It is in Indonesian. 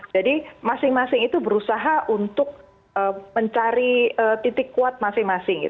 jadi masing masing itu berusaha untuk mencari titik kuat masing masing